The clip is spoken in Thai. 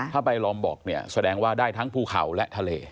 ถ้าใบลอมบอกเนี่ยแสดงว่าได้ทั้งภูเขาและทะเล